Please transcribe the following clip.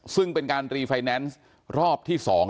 ซึ่งเป็นการรีไฟแนนซ์รอบที่๒